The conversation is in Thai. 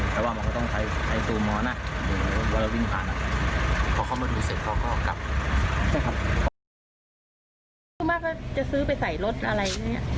ส่วนมากก็จะซื้อไปใส่รถอะไรเนี้ย